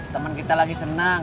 temen kita lagi senang